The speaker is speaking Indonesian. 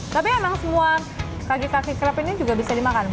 tapi memang semua kaki kaki kelep ini juga bisa dimakan